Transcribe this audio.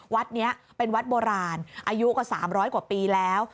วัดนี้เป็นวัดโบราณอายุกว่า๓๐๐กว่าปีแล้ว